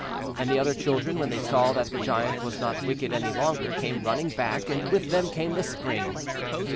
And the other children, when they saw that the Giant was not wicked any longer, came running back, and with them came the Spring.